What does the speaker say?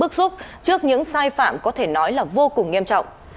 người dân hết sức bức xúc trước những sai phạm có thể nói là vô cùng nghiêm trọng